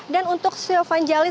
dan untuk syofan jali